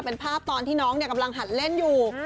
เป็นภาพตอนที่น้องกำลังหัดเล่นอยู่